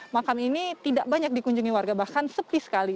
makam ini tidak banyak dikunjungi warga bahkan sepi sekali